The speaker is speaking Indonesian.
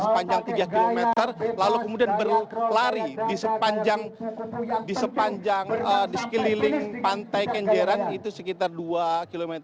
sepanjang tiga km lalu kemudian berlari di sepanjang di sekeliling pantai kenjeran itu sekitar dua km